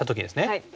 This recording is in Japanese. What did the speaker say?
はい。